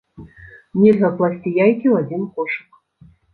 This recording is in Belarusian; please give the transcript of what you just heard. Нельга класці яйкі ў адзін кошык!